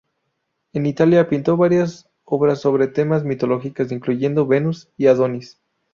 En Italia, pintó varias obras sobre temas mitológicos, incluyendo "Venus y Adonis".